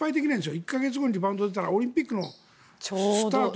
１か月にリバウンドが出たらオリンピックのスタート